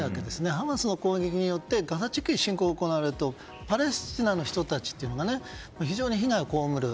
ハマスの攻撃によってガザ地区の侵攻が行われるとパレスチナの人たちというのが非常に被害をこうむる。